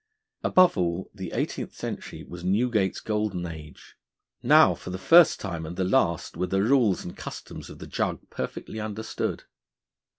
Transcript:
Above all, the Eighteenth Century was Newgate's golden age; now for the first time and the last were the rules and customs of the Jug perfectly understood.